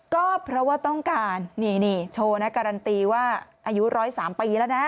ก็เพราะว่าต้องการนี่โชว์นะการันตีว่าอายุ๑๐๓ปีแล้วนะ